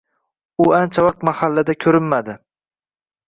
U ancha vaqt mahallada ko'rinmadi.